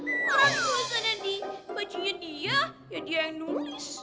orang tulisan yang di bajunya dia ya dia yang nulis